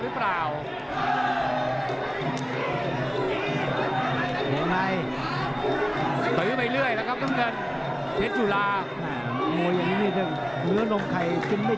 เออปลอดใจใบแรงหรือเปล่า